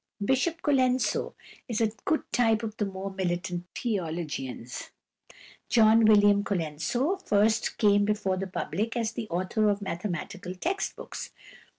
Bishop Colenso is a good type of the more militant theologians. =John William Colenso (1814 1883)= first came before the public as the author of mathematical text books.